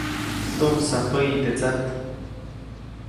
Tumsaj päyi te tsat.